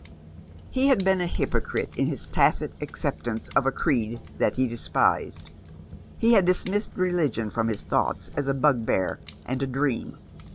He had been a hypocrite in his tacit acceptance of a creed that he despised. He had dismissed religion from his thoughts as a bugbear and a dream.